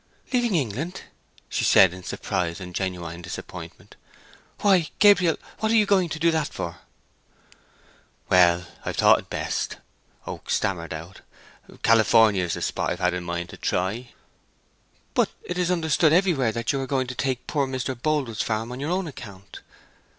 "Leaving England!" she said, in surprise and genuine disappointment. "Why, Gabriel, what are you going to do that for?" "Well, I've thought it best," Oak stammered out. "California is the spot I've had in my mind to try." "But it is understood everywhere that you are going to take poor Mr. Boldwood's farm on your own account."